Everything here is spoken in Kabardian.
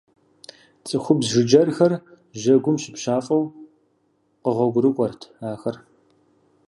ЦӀыхубз жыджэрхэр жьэгум щыпщафӀэу къэгъуэгурыкӀуэрт ахэр.